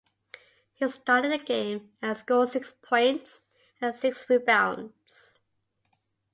He started the game and scored six points and six rebounds.